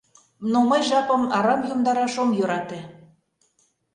Но мый жапым арам йомдараш ом йӧрате.